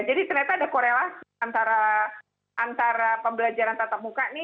jadi ternyata ada korelasi antara pembelajaran tatap muka ini